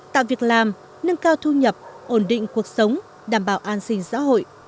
tạo việc làm nâng cao thu nhập ổn định cuộc sống đảm bảo an sinh xã hội